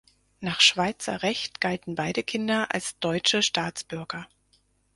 Nach Schweizer Recht galten beide Kinder als deutsche Staatsbürger.